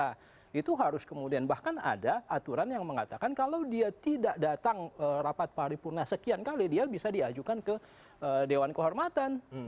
nah itu harus kemudian bahkan ada aturan yang mengatakan kalau dia tidak datang rapat paripurna sekian kali dia bisa diajukan ke dewan kehormatan